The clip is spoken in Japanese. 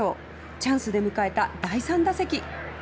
チャンスで迎えた第３打席。